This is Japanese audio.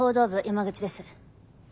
山口です。